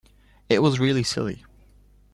It was really silly.